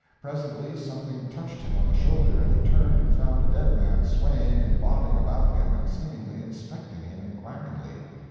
Presently something touched him on the shoulder, and he turned and found a dead man swaying and bobbing about him and seemingly inspecting him inquiringly.